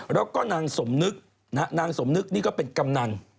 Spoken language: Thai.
แล้วก็นางสมนึกนางสมนึกนี่ก็เป็นกำนัน